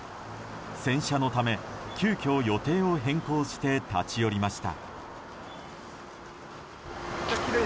洗車のため急きょ、予定を変更して立ち寄りました。